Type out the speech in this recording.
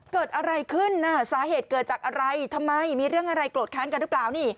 เกิดอะไรขึ้นน่ะสาเหตุเกิดจากอะไรทำไมมีเรื่องอะไรโกรธแค้นกันหรือเปล่านี่